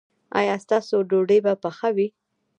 ایا ستاسو ډوډۍ به پخه وي؟